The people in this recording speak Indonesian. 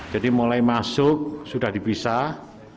jadi mulai masuk sudah dipisah